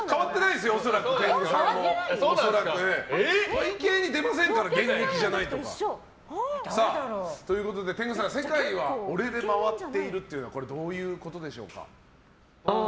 体形に出ませんから現役じゃないとか。ということで天狗さん世界は俺で回っているというのはどういうことでしょうか。